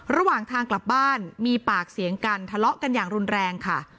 ระหว่างทางกลับบ้านมีปากเสียงกันทะเลาะกันอย่างรุนแรงค่ะ